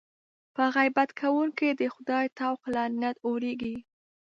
په غیبت کوونکي د خدای طوق لعنت اورېږي.